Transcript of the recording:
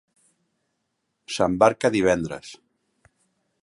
S'embarca divendres.